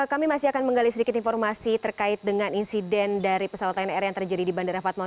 kami masih akan menggali sedikit informasi terkait dengan insiden dari pesawat lion air yang terjadi di bandara fatma